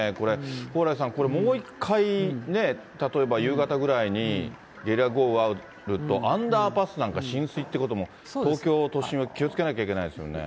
蓬莱さん、これ、もう一回ね、例えば、夕方ぐらいにゲリラ豪雨あると、アンダーパスなんか浸水ってことも、東京都心は気をつけなきゃいけないですよね。